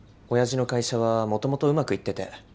親父の会社はもともとうまくいってて。